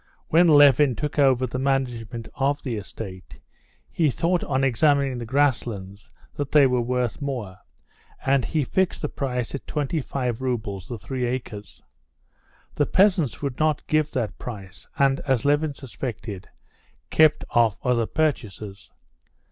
When Levin took over the management of the estate, he thought on examining the grasslands that they were worth more, and he fixed the price at twenty five roubles the three acres. The peasants would not give that price, and, as Levin suspected, kept off other purchasers.